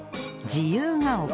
自由が丘。